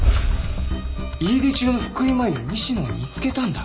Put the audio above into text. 家出中の福井真衣を西野は見つけたんだ。